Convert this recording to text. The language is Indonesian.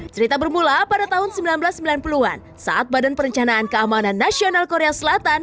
cerita bermula pada tahun seribu sembilan ratus sembilan puluh an saat badan perencanaan keamanan nasional korea selatan